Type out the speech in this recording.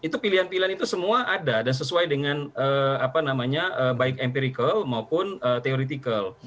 itu pilihan pilihan itu semua ada dan sesuai dengan baik empirical maupun theoretical